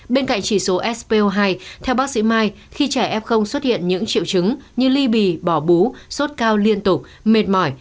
bên cạnh chỉ số spo hai theo bác sĩ mai khi trẻ f xuất hiện những triệu chứng như ly bì bỏ bú sốt cao liên tục mệt mỏi